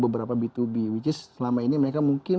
beberapa b dua b which is selama ini mereka mungkin